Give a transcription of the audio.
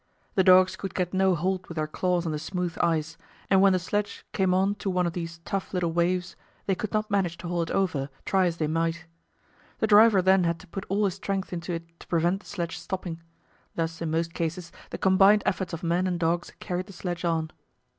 The dogs could get no hold with their claws on the smooth ice, and when the sledge came on to one of these tough little waves, they could not manage to haul it over, try as they might. The driver then had to put all his strength into it to prevent the sledge stopping. Thus in most cases the combined efforts of men and dogs carried the sledge on.